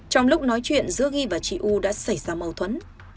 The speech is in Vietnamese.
trong lúc nói chuyện giữa ghi và chị u đã xảy ra mâu thuẫn